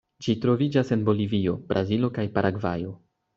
Ĝi troviĝas en Bolivio, Brazilo kaj Paragvajo.